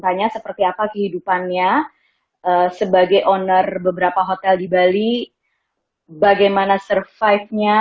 tanya seperti apa kehidupannya sebagai owner beberapa hotel di bali bagaimana survive nya